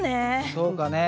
そうだね。